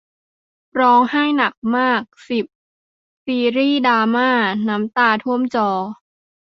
ร้องไห้หนักมาก สิบ ซีรีส์ดราม่าน้ำตาท่วมจอ